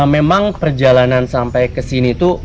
memang perjalanan sampai kesini itu